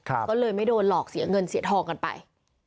ก็เลยไม่โดนหลอกเสียเงินเสียทองกันไป